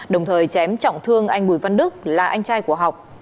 đồng thời chém trọng thương anh bùi văn đức là anh trai của học